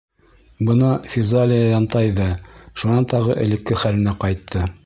Бына физалия янтайҙы, шунан тағы элекке хәленә ҡайтты.